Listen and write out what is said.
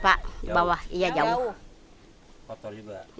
tapi ini udah kotor gitu ya